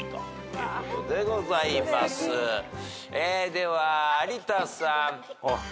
では有田さん。